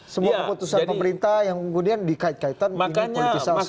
semua keputusan pemerintah yang kemudian dikait kaitan dengan politisasi